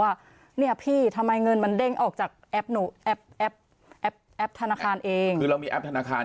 ว่าเนี่ยพี่ทำไมเงินมันเด้งออกจากแอปหนูแอปแอปแอปธนาคาร